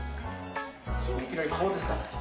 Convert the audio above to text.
いきなり顔ですかね？